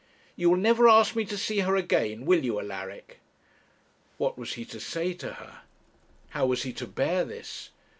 'You will never ask me to see her again will you, Alaric?' What was he to say to her? how was he to bear this?